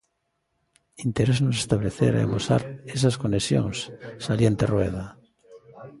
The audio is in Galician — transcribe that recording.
Interésanos establecer e amosar esas conexións, salienta Rueda.